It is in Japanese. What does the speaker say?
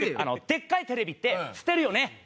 でっかいテレビって捨てるよね。